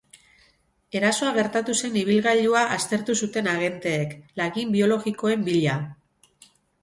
Erasoa gertatu zen ibilgailua aztertu zuten agenteek, lagin biologikoen bila.